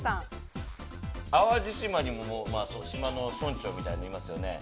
淡路島の村長みたいのいますよね？